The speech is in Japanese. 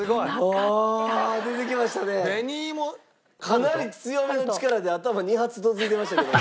かなり強めの力で頭２発どついてましたけども。